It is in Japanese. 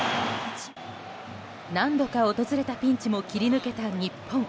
何度か訪れたピンチも切り抜けた日本。